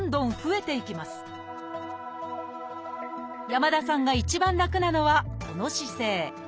山田さんが一番楽なのはこの姿勢。